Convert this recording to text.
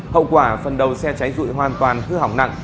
hậu quả phần đầu xe cháy dụi hoàn toàn hư hỏng nặng